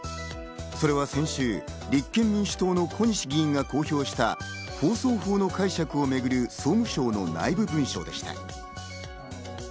それは先週、立憲民主党の小西議員が公表した放送法の解釈をめぐる総務省の内部文書でした。